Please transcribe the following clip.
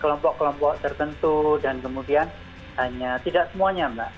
kok tertentu dan kemudian hanya tidak semuanya mbak